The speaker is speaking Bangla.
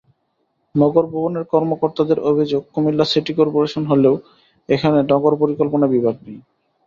নগর ভবনের কর্মকর্তাদের অভিযোগ, কুমিল্লা সিটি করপোরেশন হলেও এখানে নগর পরিকল্পনা বিভাগ নেই।